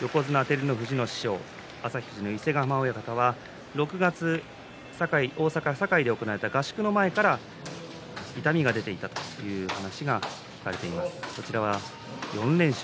横綱照ノ富士の師匠旭富士の伊勢ヶ濱親方は６月、大阪・堺で行われた合宿の前から痛みが出ていたそういう話をしていました。